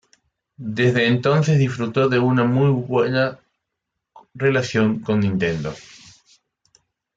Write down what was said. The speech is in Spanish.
Desde entonces disfrutó de una muy buena relación con Nintendo.